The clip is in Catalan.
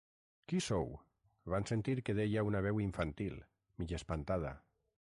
Qui sou? —van sentir que deia una veu infantil, mig espantada.